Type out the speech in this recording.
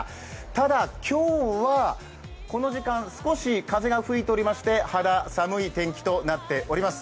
ただ、今日はこの時間、少し風が吹いておりまして、肌寒い天気となっております。